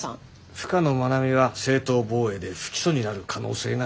深野愛美は正当防衛で不起訴になる可能性が高いです。